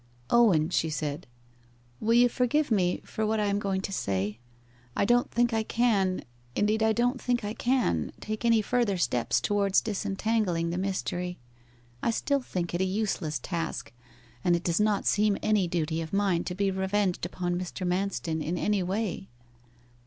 'Owen,' she said, 'will you forgive me for what I am going to say? I don't think I can indeed I don't think I can take any further steps towards disentangling the mystery. I still think it a useless task, and it does not seem any duty of mine to be revenged upon Mr. Manston in any way.